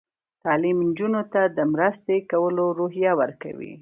تعلیم نجونو ته د مرستې کولو روحیه ورکوي.